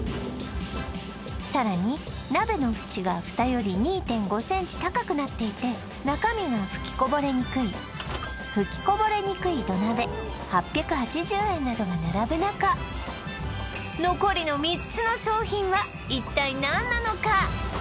さらに鍋のふちがフタより２．５ｃｍ高くなっていて中身が吹きこぼれにくい吹きこぼれにくい土鍋８８０円などが並ぶ中残りの３つの商品は一体何なのか